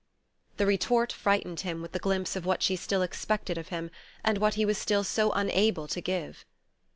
The retort frightened him with the glimpse of what she still expected of him, and what he was still so unable to give.